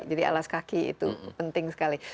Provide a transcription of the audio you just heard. jadi alas kaki itu penting sekali